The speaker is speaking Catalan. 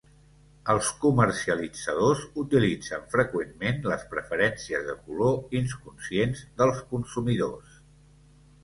Els comercialitzadors utilitzen freqüentment las preferències de color inconscients del consumidors.